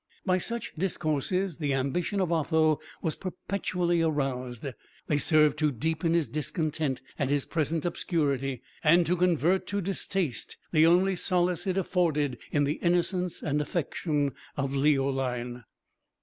By such discourses the ambition of Otho was perpetually aroused; they served to deepen his discontent at his present obscurity, and to convert to distaste the only solace it afforded in the innocence and affection of Leoline.